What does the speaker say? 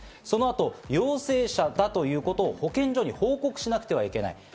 そのあと陽性者だということを保健所に報告しなくてはいけない。